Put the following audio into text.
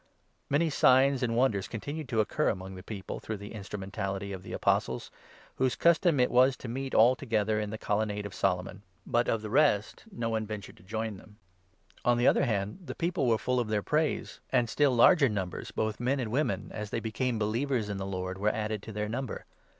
Many signs and wonders continued to occur 12 Miracles done ,t i *«< .1 •^»•* by the among the people, through the instrumentality Apostles. Of the Apostles, whose custom it was to meet all together in the Colonnade of Solomon ; but of the rest no one 13 ventured to join them. On the other hand, the people were full of their praise, and still larger numbers, both of men and 14 222 THE ACTS, 5. women, as they became believers in the Lord, were added to their number.